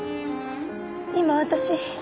今私。